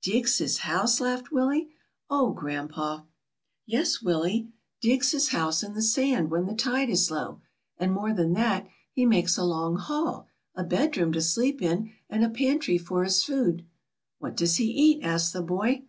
"Digs his house?" laughed Willie, "oh, grandpa!" "Yes, Willie, digs his house in the sand when the tide is low; and, more than that. WILLIE'S VISIT TO THE SEASHORE. 177 he makes a long hall, a bedroom to sleep in, and a pantry for his food.'' 'What does he eat?" asked the boy.